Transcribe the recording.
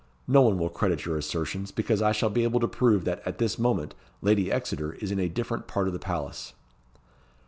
No one will credit your assertions, because I shall be able to prove that, at this moment, Lady Exeter is in a different part of the palace."